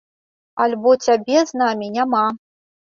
Альбо цябе з намі няма.